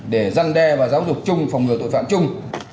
để giăn đe và giáo dục chung phòng ngừa tội phạm chung